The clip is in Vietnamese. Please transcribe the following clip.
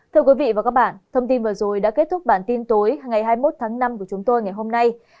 thưa quý vị và các bạn thông tin vừa rồi đã kết thúc bản tin tối ngày hai mươi một tháng năm của chúng tôi ngày hôm nay